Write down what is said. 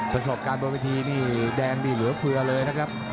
ประสบการณ์บนวิธีนี่แดงนี่เหลือเฟือเลยนะครับ